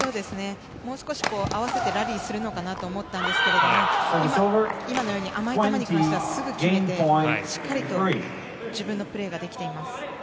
もう少し合わせてラリーするのかなと思ったんですけど今のように甘い球に関してはすぐに決めてしっかりと自分のプレーができています。